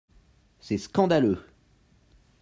C’est scandaleux